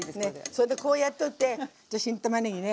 それでこうやっといて新たまねぎね